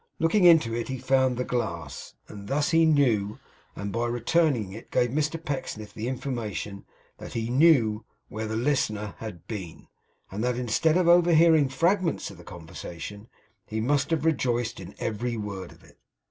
Looking into it he found the glass. And thus he knew, and by returning it gave Mr Pecksniff the information that he knew, where the listener had been; and that instead of overhearing fragments of the conversation, he must have rejoiced in every word of it.